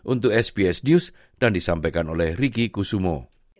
untuk sbs news dan disampaikan oleh riki kusumo